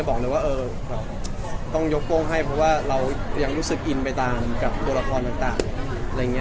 เพราะว่าเรายังรู้สึกอินตามกับนักล่ากรต่าง